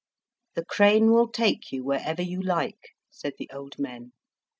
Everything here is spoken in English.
"The crane will take you wherever you like," said the old men.